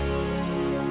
dia masaweek harinya